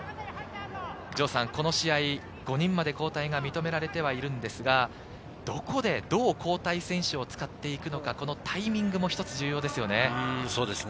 この試合、５人まで交代が認められてはいるんですが、どこでどう交代選手を使っていくのか、タイミングもひとつ重要ですね。